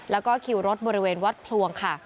และคิวรถบริเวณวัดพลวง